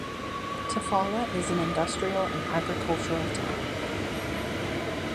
Tafalla is an industrial and agricultural town.